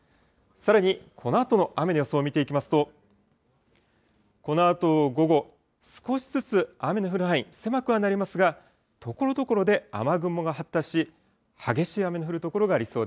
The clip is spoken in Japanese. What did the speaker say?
さらにこのあとの雨の予想を見ていきますと、このあと午後、少しずつ雨の降る範囲、狭くはなりますが、ところどころで雨雲が発達し、激しい雨の降る所がありそう